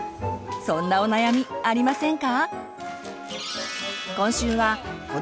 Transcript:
そんなお悩みありませんか？